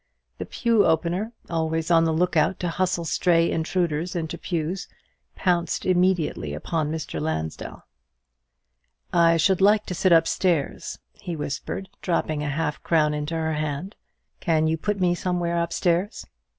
The pew opener always on the lookout to hustle stray intruders into pews pounced immediately upon Mr. Lansdell. "I should like to sit up stairs," he whispered, dropping a half crown into her hand; "can you put me somewhere up stairs?"